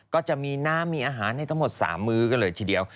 ก็จะมีน้ำมีอาหารให้ทั้งหมด๓มื้อกันเลยทีเดียว